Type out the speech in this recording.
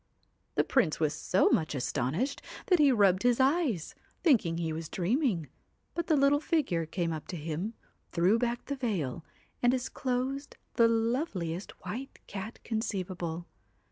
The Prince was so much astonished that he rubbed his eyes, thinking he was dreaming, but the little figure came up to him, threw back the veil, and disclosed the loveliest white cat conceivable.